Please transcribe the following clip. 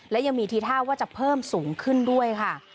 และยังมีทีท่าว่าจะเพิ่มสูงขึ้นด้วยค่ะ